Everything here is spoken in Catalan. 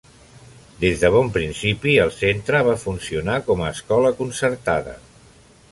Des de bon principi el centre va funcionar com a escola concertada.